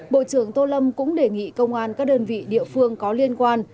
bộ trưởng tô lâm cũng đề nghị công an các đơn vị địa phương có liên quan